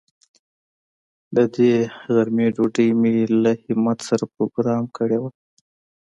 د دې غرمې ډوډۍ مې له همت سره پروگرام کړې وه.